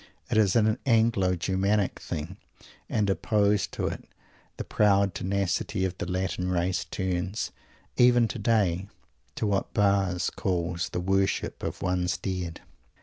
It is an Anglo Germanic thing and opposed to it the proud tenacity of the Latin race turns, even today, to what Barres calls the "worship of one's Dead."